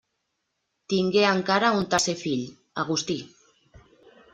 Tingué encara un tercer fill, Agustí.